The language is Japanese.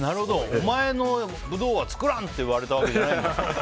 お前のブドウは作らん！って言われたわけじゃないんだ。